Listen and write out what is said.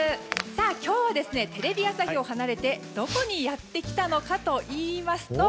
今日はテレビ朝日を離れてどこにやってきたのかといいますと